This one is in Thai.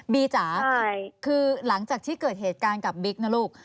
จ๋าคือหลังจากที่เกิดเหตุการณ์กับบิ๊กนะลูก